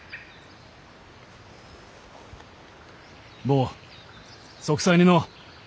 坊息災にのう。